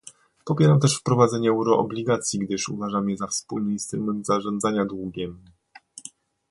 Popieram też wprowadzenie euroobligacji, gdyż uważam je za wspólny instrument zarządzania długiem